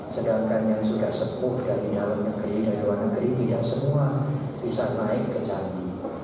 sedangkan yang sudah sembuh dari dalam negeri dari luar negeri tidak semua bisa naik ke candi